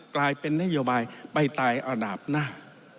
กลายเป็นนโยบายไปตายอันดับหน้า